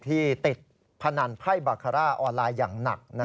ที่ติดพนันไพ่บาคาร่าออนไลน์อย่างหนัก